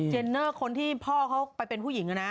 เนอร์คนที่พ่อเขาไปเป็นผู้หญิงนะ